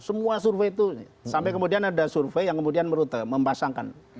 semua survei itu sampai kemudian ada survei yang kemudian membasangkan